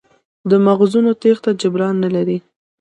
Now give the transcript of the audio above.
د مغزونو تېښته جبران نه لري.